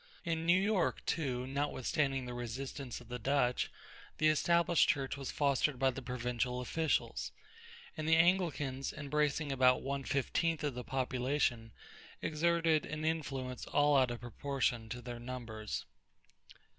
In New York, too, notwithstanding the resistance of the Dutch, the Established Church was fostered by the provincial officials, and the Anglicans, embracing about one fifteenth of the population, exerted an influence all out of proportion to their numbers.